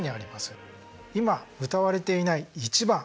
今歌われていない１番。